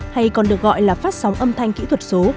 hay còn được gọi là phát sóng âm thanh kỹ thuật số